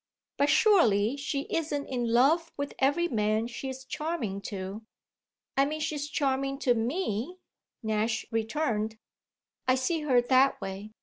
"But surely she isn't in love with every man she's charming to." "I mean she's charming to me," Nash returned. "I see her that way.